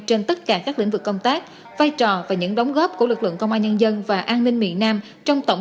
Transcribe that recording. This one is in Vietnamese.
trên tất cả các lĩnh vực công tác vai trò và những đóng góp của lực lượng công an nhân dân